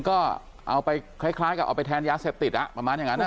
ก็เอาไปคล้ายกับเอาไปแทนยาเสพติดประมาณอย่างนั้น